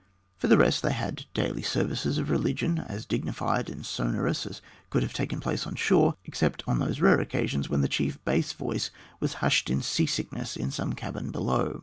For the rest, they had daily services of religion, as dignified and sonorous as could have taken place on shore, except on those rare occasions when the chief bass voice was hushed in seasickness in some cabin below.